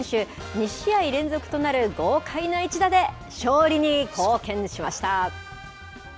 ２試合連続となる豪快な一打で、勝利に貢献しました。